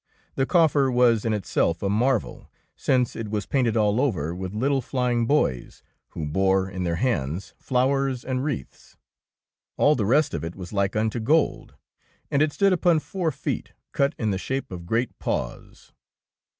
The coffer was in itself a mar vel, since it was painted all over with little fiying boys, who bore in their hands fiowers and wreaths. All the rest of it was like unto gold, and it stood upon four feet cut in the shape of great paws.